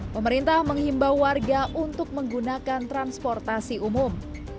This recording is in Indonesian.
pemerintah menghimbau warga untuk menggunakan transportasi umum